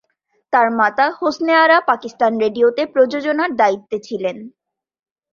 তার মাতা হোসনে আরা পাকিস্তান রেডিওতে প্রযোজনার দায়িত্বে ছিলেন।